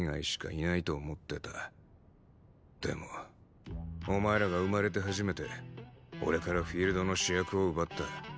でもお前らが生まれて初めて俺からフィールドの主役を奪った。